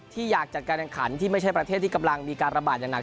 อยากจัดการแข่งขันที่ไม่ใช่ประเทศที่กำลังมีการระบาดอย่างหนัก